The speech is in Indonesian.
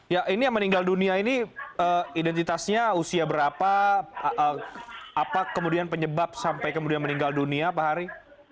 ya ini yang meninggal dunia ini identitasnya usia berapa apa kemudian penyebab sampai kemudian meninggal dunia pak hari